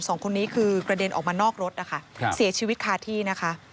สองคนนี้คือกระเด็นออกมานอกรถนะคะเสียชีวิตคาที่นะคะ